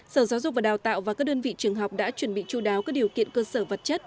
sở giáo dục và đào tạo và các đơn vị trường học đã chuẩn bị chú đáo các điều kiện cơ sở vật chất